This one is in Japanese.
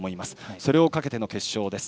それをかけての決勝です。